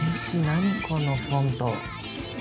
何このフォント。